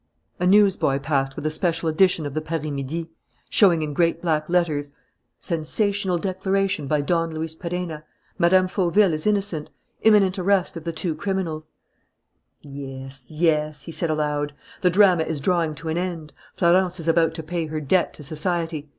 A newsboy passed with a special edition of the Paris Midi, showing in great black letters: "SENSATIONAL DECLARATION BY DON LUIS PERENNA "MME. FAUVILLE IS INNOCENT. "IMMINENT ARREST OF THE TWO CRIMINALS" "Yes, yes," he said aloud. "The drama is drawing to an end. Florence is about to pay her debt to society.